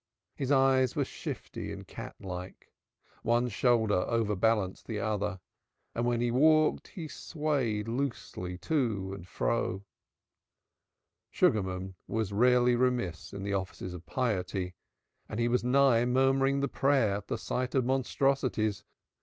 His eyes were shifty and catlike; one shoulder overbalanced the other, and when he walked, he swayed loosely to and fro. Sugarman was rarely remiss in the offices of piety and he was nigh murmuring the prayer at the sight of monstrosities.